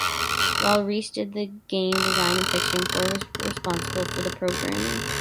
While Reiche did the game design and fiction, Ford was responsible for the programming.